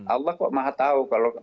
allah kok maha tahu